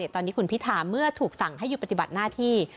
ตอนนี้คุณพิธาเมื่อถูกสั่งให้หยุดปฏิบัติหน้าที่